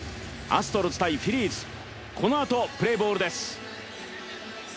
アストロズ×フィリーズ、このあとプレーボールです。